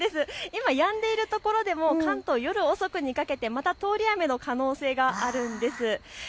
今やんでいるところでも関東、夜遅くにかけて通り雨の可能性があるんです。